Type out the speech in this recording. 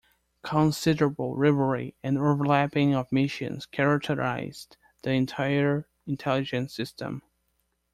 Considerable rivalry and overlapping of missions characterized the entire intelligence system.